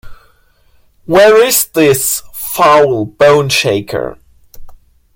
Where is this foul bone-shaker?